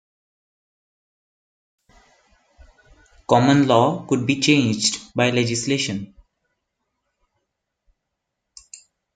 Common law could be changed by legislation.